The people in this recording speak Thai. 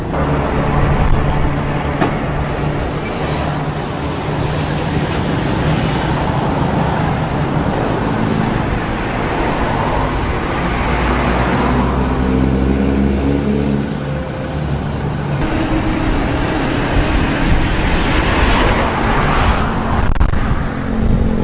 กลัวช่วยไปหาผู้บินกับผู้ต่อไป